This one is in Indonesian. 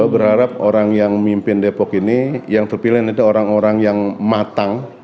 berharap orang yang memimpin depok ini yang terpilih adalah orang orang yang matang